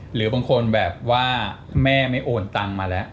หรือบางคนแบบว่าแม่ไม่โอนตังค์มาแล้ว